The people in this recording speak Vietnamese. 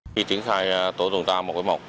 khi tiến khai tổ đồng ta mộc quế mộc